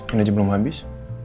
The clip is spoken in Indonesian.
ini aja belum habis